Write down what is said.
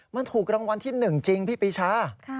มันถูกรางวัลที่๑จริงพี่ปีชา